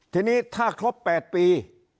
ทีนี้ถ้าครบ๘ปี